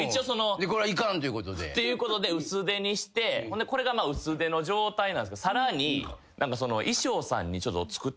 これはいかんということで。ということで薄手にしてこれが薄手の状態なんすけどさらに衣装さんに作ってもらった。